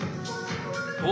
お！